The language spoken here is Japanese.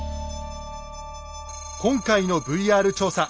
今回のＶＲ調査。